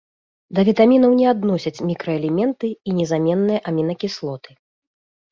Да вітамінаў не адносяць мікраэлементы і незаменныя амінакіслоты.